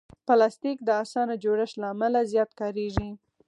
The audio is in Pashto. پلاستيک د اسانه جوړښت له امله زیات کارېږي.